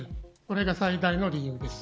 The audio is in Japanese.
これが最大の理由です。